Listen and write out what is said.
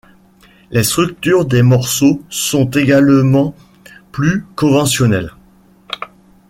Les structures des morceaux sont également plus conventionnelles.